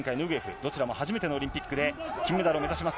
どちらも初めてのオリンピックで金メダルを目指します。